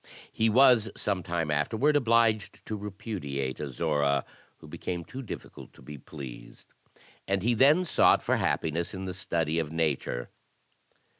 He was sometime afterward obliged to repudiate Azora, who became too difficult to be pleased; and he then sought for happiness in the study of nature.